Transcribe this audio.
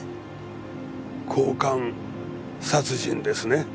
交換殺人ですね？